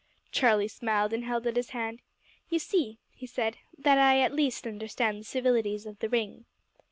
Charlie smiled, and held out his hand "You see," he said, "that at least I understand the civilities of the ring."